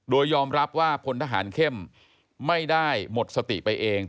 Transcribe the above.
โดยยอมรับว่าพลทหารเข้มไม่ได้หมดสติไปเอง